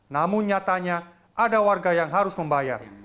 namun nyatanya ada warga yang harus membayar